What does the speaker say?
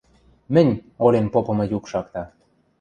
– Мӹнь, – олен попымы юк шакта.